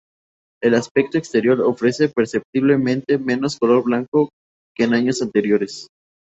El aspecto exterior ofrece perceptiblemente menos color blanco que en años anteriores.